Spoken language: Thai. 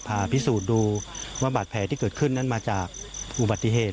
พิสูจน์ดูว่าบาดแผลที่เกิดขึ้นนั้นมาจากอุบัติเหตุ